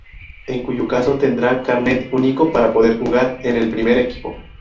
En cuyo caso tendrá carnet único para poder jugar en el primer equipo.